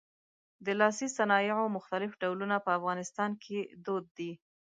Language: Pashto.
د لاسي صنایعو مختلف ډولونه په افغانستان کې دود دي.